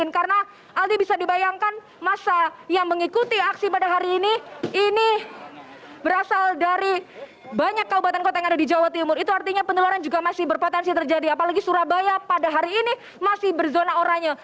karena aldi bisa dibayangkan masa yang mengikuti aksi pada hari ini ini berasal dari banyak kabupaten kota yang ada di jawa timur itu artinya penularan juga masih berpotensi terjadi apalagi surabaya pada hari ini masih berzona oranye